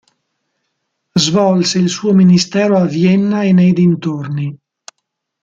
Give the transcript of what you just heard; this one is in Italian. Svolse il suo ministero a Vienna e nei dintorni.